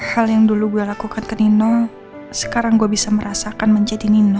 hal yang dulu gue lakukan ke nino sekarang gue bisa merasakan menjadi nino